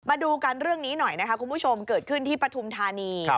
มาดูกันเรื่องนี้หน่อยนะคะคุณผู้ชมเกิดขึ้นที่ปฐุมธานี